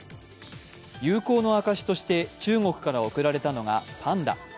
友好の証しとして中国から贈られたのがパンダ。